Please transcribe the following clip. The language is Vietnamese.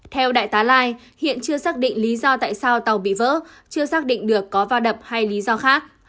theo đại tá lai hiện chưa xác định lý do tại sao tàu bị vỡ chưa xác định được có va đập hay lý do khác